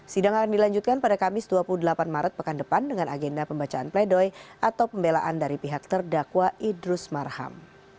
sidang akan dilanjutkan pada kamis dua puluh delapan maret pekan depan dengan agenda pembacaan pledoi atau pembelaan dari pihak terdakwa idrus marham